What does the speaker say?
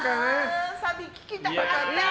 サビ聴きたかった。